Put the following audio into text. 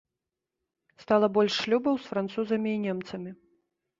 Стала больш шлюбаў з французамі і немцамі.